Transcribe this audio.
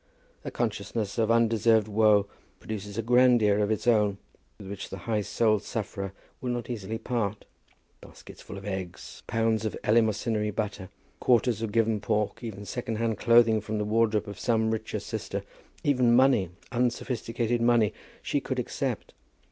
A consciousness of undeserved woe produces a grandeur of its own, with which the high souled sufferer will not easily part. Baskets full of eggs, pounds of eleemosynary butter, quarters of given pork, even second hand clothing from the wardrobe of some richer sister, even money, unsophisticated money, she could accept.